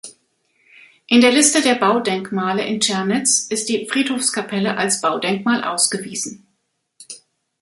In der Liste der Baudenkmale in Tschernitz ist die Friedhofskapelle als Baudenkmal ausgewiesen.